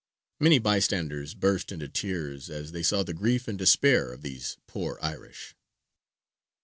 " Many bystanders burst into tears as they saw the grief and despair of these poor Irish.